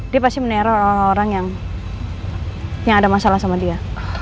dia pasti meneror orang orang yang ada masalah sama dia